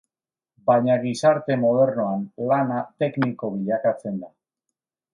Baina gizarte modernoan lana tekniko bilakatzen da.